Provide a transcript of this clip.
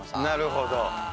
なるほど。